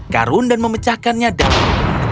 karun dan memecahkannya dalam